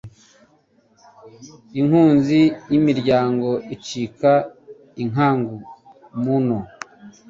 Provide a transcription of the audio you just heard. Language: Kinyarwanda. Inkunzi y’imiryango icika inkangu mu nnyo